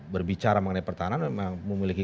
berbicara mengenai pertahanan memang memiliki